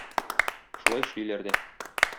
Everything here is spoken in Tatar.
Шулай эшлиләр дә.